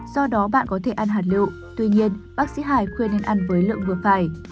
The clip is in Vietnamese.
do đó bạn có thể ăn hạt lựu tuy nhiên bác sĩ hải khuyên nên ăn với lượng vừa phải